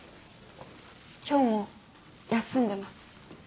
今日も休んでます。